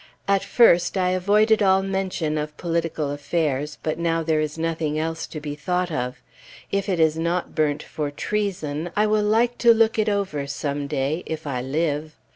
At first, I avoided all mention of political affairs, but now there is nothing else to be thought of; if it is not burnt for treason, I will like to look it over some day if I live.